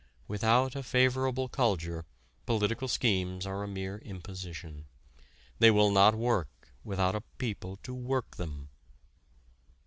Without a favorable culture political schemes are a mere imposition. They will not work without a people to work them.